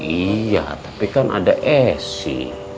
iya tapi kan ada esy